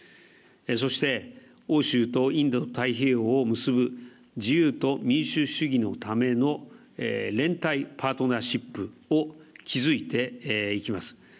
そして、欧州とインド太平洋を結ぶ自由と民主主義のための連帯パートナーシップを築いていきます。